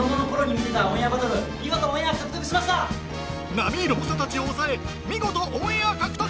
並みいる猛者たちを抑え見事オンエア獲得！